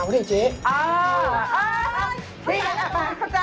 นึกโตละ